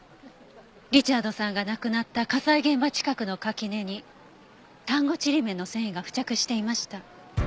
リチャードさんが亡くなった火災現場近くの垣根に丹後ちりめんの繊維が付着していました。